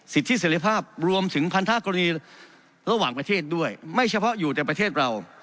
สิทธิเสร็จภาพรวมถึงพันธากรณีระหว่างประเทศด้วยไม่เฉพาะอยู่ในประเทศเรา